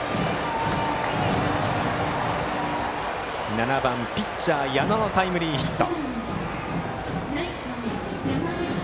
７番、ピッチャー矢野のタイムリーヒット。